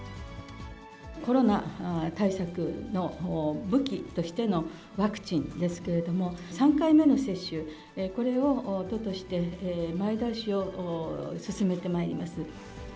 コロナ対策の武器としてのワクチンですけれども、３回目の接種、これを都として前倒しを進めてまいります。